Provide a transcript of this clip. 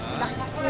ini lemak naik ketek